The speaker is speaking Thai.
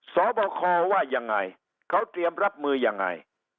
สอบคอว่ายังไงเขาเตรียมรับมือยังไง